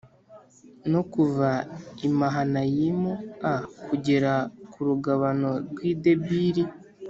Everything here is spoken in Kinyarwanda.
No kuva i mahanayimu a kugera ku rugabano rw i debiri